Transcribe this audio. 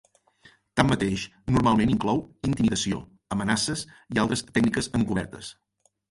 Tanmateix, normalment inclou intimidació, amenaces i altres tècniques encobertes.